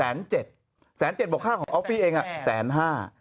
๑๑๐๐๐๐บาทเบาะค่าของออฟฟี่เอง๑๕๐๐๐๐บาท